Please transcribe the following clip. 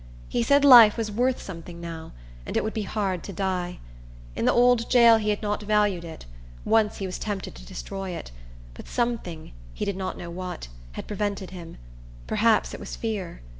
He said life was worth something now, and it would be hard to die. In the old jail he had not valued it; once, he was tempted to destroy it; but something, he did not know what, had prevented him; perhaps it was fear.